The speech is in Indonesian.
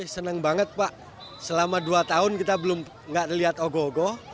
senang banget pak selama dua tahun kita belum lihat ogoh ogoh